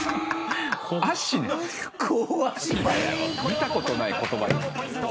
見たことない言葉。